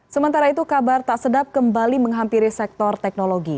sementara itu kabar tak sedap kembali menghampiri sektor teknologi